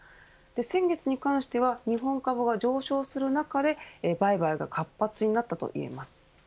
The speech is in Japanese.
先月に関しては日本株が上昇する中で売買が活発になったといえます。